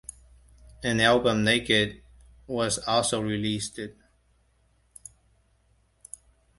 An album, "Naked", was also released.